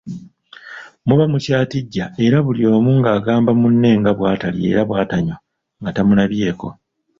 Muba mukyatijja era buli omu ng'agamba munne nga bwatalya era bw'atanywa nga tamulabyeko.